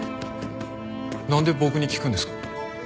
なんで僕に聞くんですか？